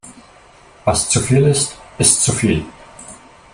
Was zu viel ist, ist zu viel.